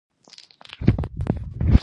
افغانستان د تیلو او ګازو پراخې زیرمې لري.